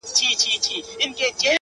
خپلي خبري خو نو نه پرې کوی~